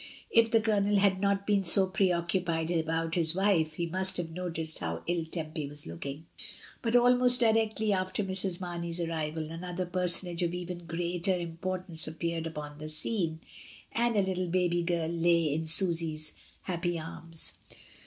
If the Colonel had not been so preoccupied about his wife he must have noticed how ill Tempy was looking. But almost directly after Mrs. Mame/s arrival another personage of even greater importance appeared upon the scene, and a little baby girl lay in Siisy^s happy arms.